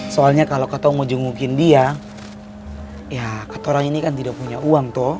soalnya kalau kata mau jengukin dia ya kata orang ini kan tidak punya uang tuh